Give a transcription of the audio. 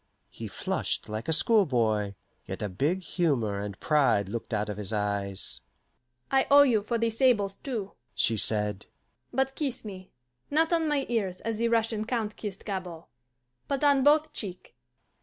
He flushed like a schoolboy, yet a big humour and pride looked out of his eyes. "I owe you for the sables, too," she said. "But kiss me not on my ears, as the Russian count kissed Gabord, but on both cheek."